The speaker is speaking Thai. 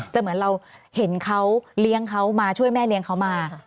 เหมือนเราเห็นเขาเลี้ยงเขามาช่วยแม่เลี้ยงเขามา